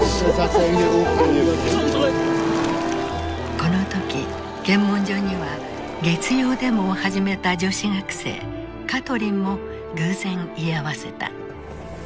この時検問所には月曜デモを始めた女子学生カトリンも偶然居合わせた。